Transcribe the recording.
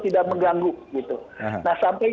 tidak mengganggu gitu nah sampai